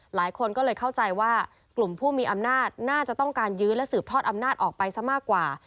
หลายคนก็เลยเข้าใจว่ากลุ่มผู้มีอำนาจน่าจะต้องการยื้อและสืบทอดอำนาจออกไปซะมากกว่า